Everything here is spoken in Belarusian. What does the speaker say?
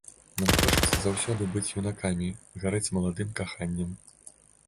Нам хочацца заўсёды быць юнакамі, гарэць маладым каханнем.